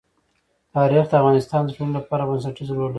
تاریخ د افغانستان د ټولنې لپاره بنسټيز رول لري.